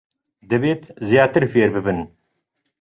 دەبێت زیاتر فێر ببن.